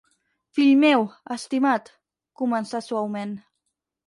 Fill meu, estimat –començà suaument–.